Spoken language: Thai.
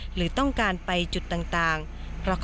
เหรอต้องการไปจุดต่างต่าง